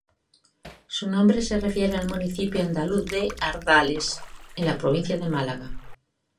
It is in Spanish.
Su nombre se refiere al municipio andaluz de Ardales, en la provincia de Málaga.